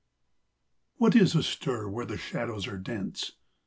What is astir where the shadows are dense